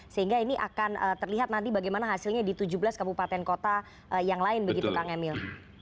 sehingga ini akan terlihat nanti bagaimana hasilnya di tujuh belas kabupaten kota yang lain begitu kang emil